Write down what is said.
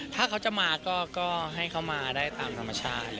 ถ้าเขาจะมาก็ให้เขามาได้ตามธรรมชาติ